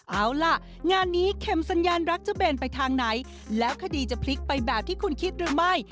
เอาล่ะงานนี้เข็มสัญญาณรักจะเบนไปทางไหนแล้วคดีจะพลิกไปแบบที่คุณคิดหรือไม่